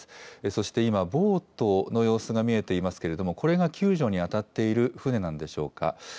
そして今、ボートの様子が見えていますけれども、これが救助に当たっている船なんでしょうか。